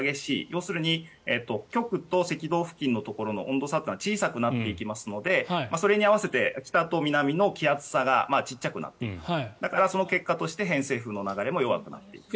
要するに極と赤道付近のところの温度差は小さくなっていきますのでそれに合わせて北と南の気圧差が小さくなるだから、その結果として偏西風の流れも弱くなってくる。